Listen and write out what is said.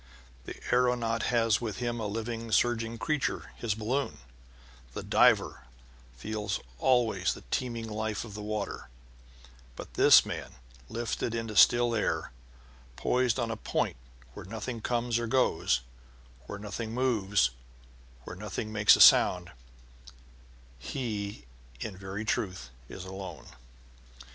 The aëronaut has with him a living, surging creature his balloon; the diver feels always the teeming life of the waters; but this man, lifted into still air, poised on a point where nothing comes or goes, where nothing moves, where nothing makes a sound he, in very truth, is alone.